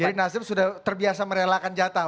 jadi nasdem sudah terbiasa merelakan jatah